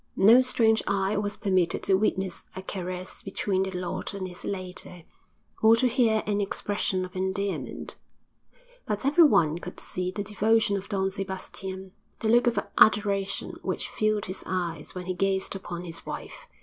No strange eye was permitted to witness a caress between the lord and his lady, or to hear an expression of endearment; but everyone could see the devotion of Don Sebastian, the look of adoration which filled his eyes when he gazed upon his wife.